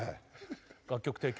楽曲提供